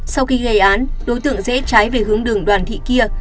sau khi gây án đối tượng dễ trái về hướng đường đoàn thị kia